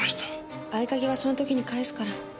合鍵はその時に返すから。